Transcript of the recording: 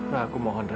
lah aku mohon ya